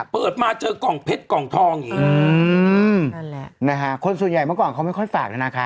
เปิดมาเจอกล่องเพชรกล่องทองอย่างนี้คนส่วนใหญ่เมื่อก่อนเขาไม่ค่อยฝากธนาคาร